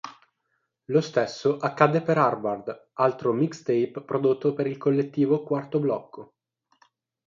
Lo stesso accade per "Harvard", altro mixtape prodotto per il collettivo Quarto Blocco.